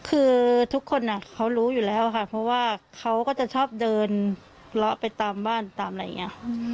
คือทุกคนเขารู้อยู่แล้วค่ะเพราะว่าเขาก็จะชอบเดินเลาะไปตามบ้านตามอะไรอย่างนี้